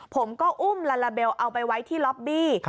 ผมก็อุ้มลาลาเบลเอาไปไว้ที่ล็อบบี้